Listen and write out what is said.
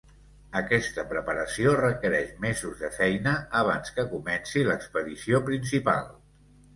Aquesta preparació requereix mesos de feina abans que comenci l'expedició principal.